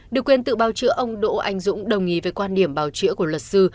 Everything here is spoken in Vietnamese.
được quyền tự bào chữa ông đỗ anh dũng đồng ý với quan điểm bào chữa của luật sư